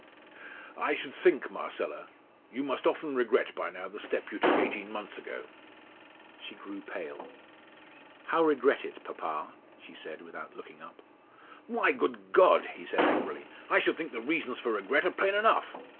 "I should think, Marcella, you must often regret by now the step you took eighteen months ago!" She grew pale. "How regret it, papa?" she said, without looking up. "Why, good God!" he said angrily; "I should think the reasons for regret are plain enough.